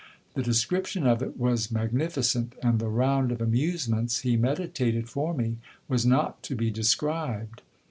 The description of it was magnifi cent, and the round of amusements he meditated for me was not to be described.